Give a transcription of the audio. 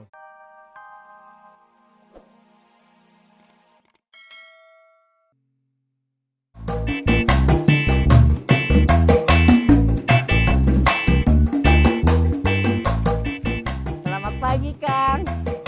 selamat pagi kan